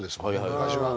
昔は。